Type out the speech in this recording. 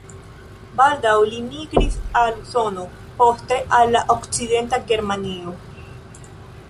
Baldaŭ li migris al Usono, poste al Okcidenta Germanio.